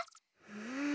うん。